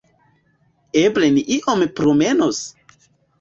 Eble ni iom promenos?